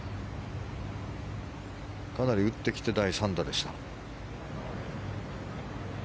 かなり打ってきて第３打でした。